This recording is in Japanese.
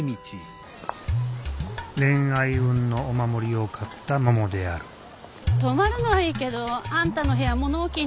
恋愛運のお守りを買ったももである泊まるのはいいけどあんたの部屋物置になってて寝る場所がないのよ。